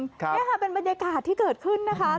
นี่ค่ะเป็นบรรยากาศที่เกิดขึ้นนะคะ